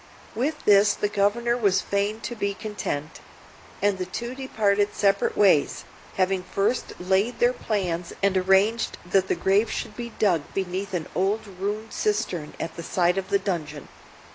With this the Governor was fain to be content; and the two departed separate ways, having first laid their plans and arranged that the grave should be dug beneath an old ruined cistern at the side of the dungeon.